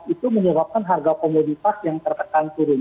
itu menyebabkan harga komoditas yang tertekan turun